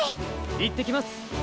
いってきます！